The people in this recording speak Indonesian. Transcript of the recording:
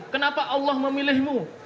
kenapa allah memilihmu